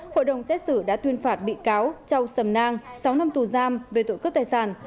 hội đồng xét xử đã tuyên phạt bị cáo châu sầm nang sáu năm tù giam về tội cướp tài sản